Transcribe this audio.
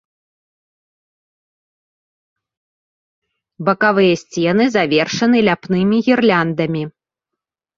Бакавыя сцены завершаны ляпнымі гірляндамі.